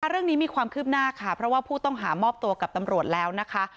เรื่องนี้มีความคืบหน้าค่ะเพราะว่าผู้ต้องหามอบตัวกับตำรวจแล้วนะคะ